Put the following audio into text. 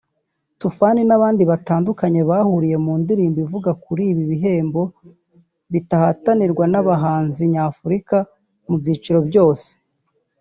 Toofan n’abandi batandukanye bahuriye mu ndirimbo ivuga kuri ibi bihembo bihatanirwa n’abahanzi nyafurika mu byiciro byose